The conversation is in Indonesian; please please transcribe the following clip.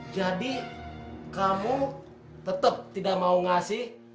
jadi kamu tetep tidak mau ngasih